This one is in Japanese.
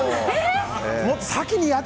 もっと先にやって。